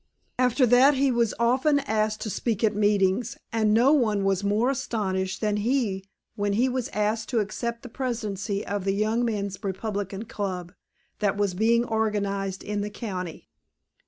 After that he was often asked to speak at meetings, and no one was more astonished than he when he was asked to accept the presidency of the Young Men's Republican Club, that was being organized in the county.